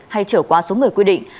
hay trở quá số người quy định